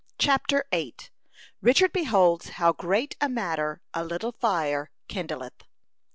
CHAPTER VIII. RICHARD BEHOLDS HOW GREAT A MATTER A LITTLE FIRE KINDLETH.